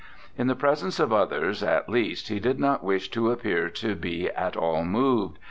In the presence of others, at least, he did not wish to appear to be at all moved.